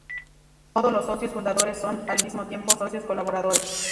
Todos los socios fundadores son, al mismo tiempo, socios colaboradores.